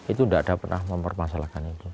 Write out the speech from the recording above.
itu tidak ada pernah mempermasalahkan itu